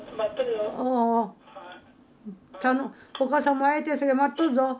お母さんも会いたいさかい待っとるぞ。